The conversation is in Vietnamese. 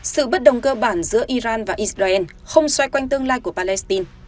sự bất đồng cơ bản giữa iran và israel không xoay quanh tương lai của palestine